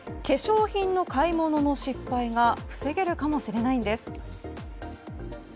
化粧品の買い物の失敗が防げるかもしれないんです。